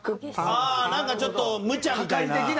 ああなんかちょっとむちゃみたいな。